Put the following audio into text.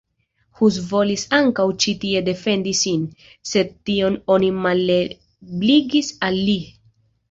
Hus volis ankaŭ ĉi tie defendi sin, sed tion oni malebligis al li.